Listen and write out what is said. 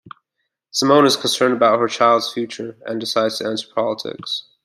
Simone is concerned about her child's future and decides to enter politics.